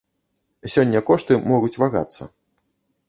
Сёння кошты могуць вагацца.